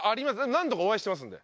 何度かお会いしてますんで。